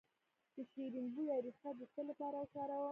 د شیرین بویې ریښه د څه لپاره وکاروم؟